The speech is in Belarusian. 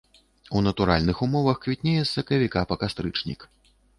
У натуральных умовах квітнее з сакавіка па кастрычнік.